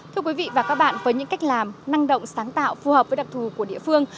thưa quý vị và các bạn với những cách làm năng động sáng tạo phù hợp với đặc thù của địa phương